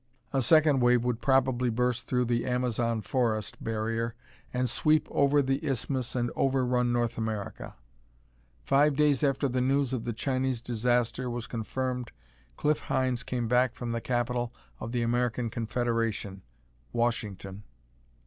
A second wave would probably burst through the Amazon forest barrier and sweep over the Isthmus and overrun North America. Five days after the news of the Chinese disaster was confirmed, Cliff Hynes came back from the capital of the American Confederation, Washington.